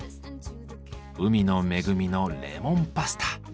海の恵みのレモンパスタ。